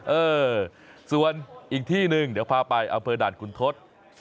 เออส่วนอีกที่หนึ่งเดี๋ยวพาไปอำเภอด่านคุณทศ